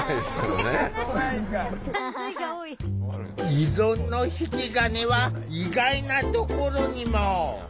依存の引き金は意外なところにも。